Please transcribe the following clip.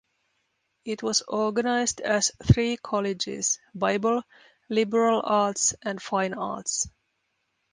It was organized as three colleges: Bible, Liberal Arts, and Fine Arts.